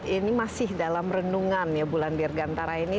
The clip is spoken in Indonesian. ini masih dalam renungan ya bulan dirgantara ini